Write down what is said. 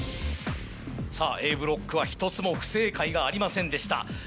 さぁＡブロックは１つも不正解がありませんでした。